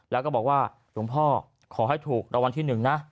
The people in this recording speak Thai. แล้วก็บอกว่าหลวงพ่อขอให้ถูกรวรรณที่หนึ่งนะ